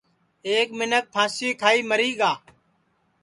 ایک منکھ پھانٚسی کھائی مری گا